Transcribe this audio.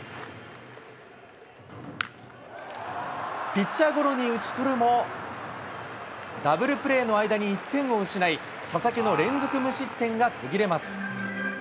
ピッチャーゴロに打ち取るも、ダブルプレーの間に１点を失い、佐々木の連続無失点が途切れます。